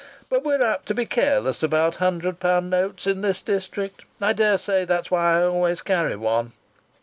"But we're apt to be careless about hundred pound notes in this district. I daresay that's why I always carry one."